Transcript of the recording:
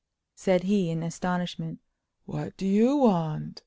said he in astonishment. "What do you want?"